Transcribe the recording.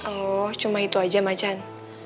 oh cuma itu aja macan